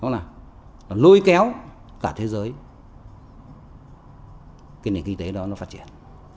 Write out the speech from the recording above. nó lôi kéo cả thế giới cái nền kinh tế đó nó phát triển